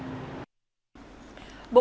bộ công thương